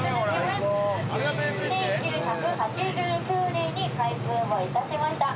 １９８９年に開通をいたしました